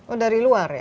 oh dari luar ya